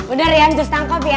udah rian jus tangkop ya